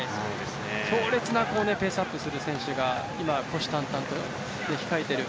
強烈なペースアップする選手が今、虎視眈々と控えてる。